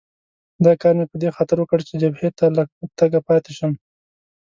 دا کار مې په دې خاطر وکړ چې جبهې ته له تګه پاتې شم.